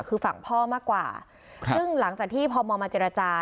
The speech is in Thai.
คือฝั่งพ่อมากกว่าซึ่งหลังจากที่พมมาเจรจา